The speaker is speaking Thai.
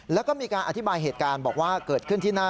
แล้วก็มีการอธิบายเหตุการณ์บอกว่าเกิดขึ้นที่หน้า